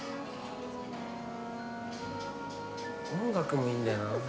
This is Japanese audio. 音楽もいいんだよな。